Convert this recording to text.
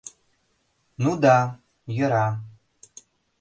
— Ну да йӧра...